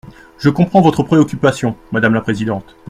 Je comprends votre préoccupation, madame la présidente.